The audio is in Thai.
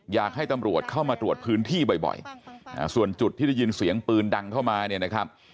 อยากให้ตำรวจเข้ามาตรวจพื้นที่บ่อยส่วนจุดที่ได้ยินเสียงปืนดังเข้ามาเนี่ยนะครับ